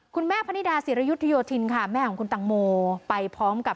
คุณแม่พนิดาศิรยุทธโยธินค่ะแม่ของคุณตังโมไปพร้อมกับ